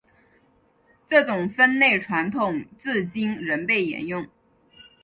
这种分类传统至今仍被沿用。